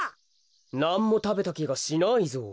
なんもたべたきがしないぞう。